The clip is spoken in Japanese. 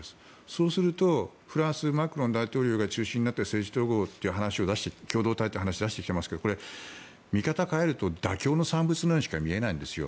そうするとフランスのマクロン大統領が中心になって政治統合という話を共同体という話を出してきていますがこれは見方を変えると妥協の産物のようにしか見えないんです。